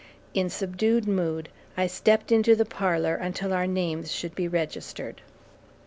In subdued mood, I stepped into the parlor until our names should be registered.